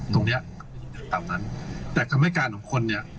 ตรงเนี้ยตามนั้นแต่คำให้การของคนเนี่ย